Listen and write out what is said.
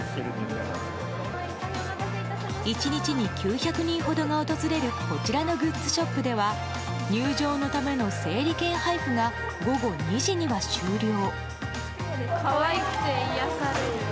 １日に９００人ほどが訪れるこちらのグッズショップでは入場のための整理券配布が午後２時には終了。